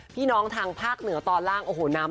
พี่น้องทาง